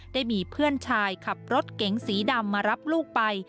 ได้มีเพื่อนชายขับรถเก๋งสีดำมารับลูกไป